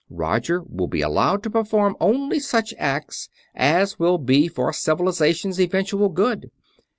Roger will be allowed to perform only such acts as will be for Civilization's eventual good.